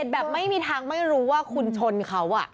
แบบไม่มีทางไม่รู้ว่าคุณชนเขา